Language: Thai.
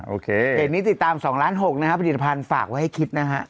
โอเคเพจนี้ติดตาม๒ล้าน๖นะครับผลิตภัณฑ์ฝากไว้ให้คิดนะฮะ